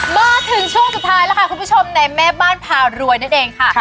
มาถึงช่วงสุดท้ายแล้วค่ะคุณผู้ชมในแม่บ้านพารวยนั่นเองค่ะ